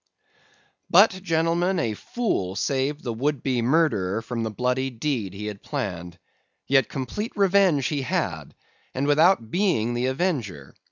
"But, gentlemen, a fool saved the would be murderer from the bloody deed he had planned. Yet complete revenge he had, and without being the avenger.